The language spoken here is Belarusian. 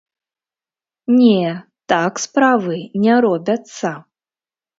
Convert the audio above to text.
Не, так справы не робяцца!